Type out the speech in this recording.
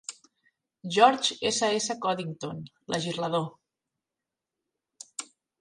George S. S. Codington, legislador.